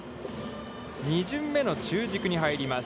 ２巡目の中軸に入ります。